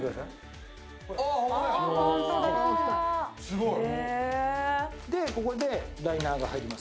すごい。